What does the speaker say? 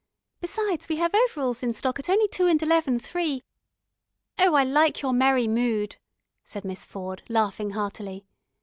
Besides, we have overalls in stock at only two and eleven three " "Oh, I like your merry mood," said Miss Ford, laughing heartily.